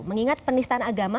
mengingat penistaan agama